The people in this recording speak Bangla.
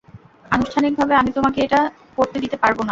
আনুষ্ঠানিকভাবে, আমি তোমাকে এটা করতে দিতে পারব না।